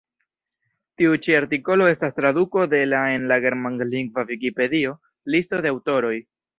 Tiu ĉi artikolo estas traduko de la en la germanlingva vikipedio, listo de aŭtoroj.